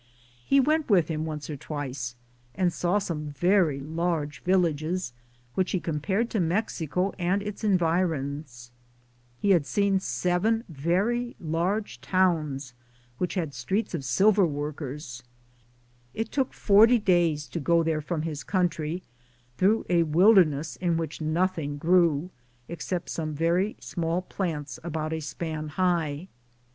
He went with him once or twice, and saw some very large villages, which he com pared to Mexico and its environs. He had Been seven very large towns which had streets of silver workers. It took forty days to go ligirized I:, G00gk' THE JOURNEY OP CORONADO there from his country, through a wilderness in which nothing grew, except some very small plants about a span high.